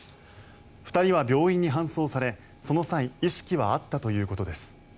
２人は病院に搬送されその際意識はあったということです。